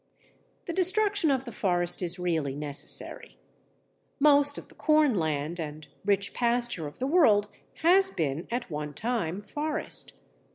The destruction of the forest is really necessary. Most of the corn land and rich pasture of the world has been at one time forest.